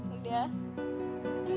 udah ya udah